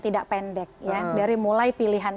tidak pendek ya dari mulai pilihan